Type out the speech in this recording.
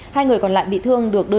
hai người còn lại bị thương được đưa đi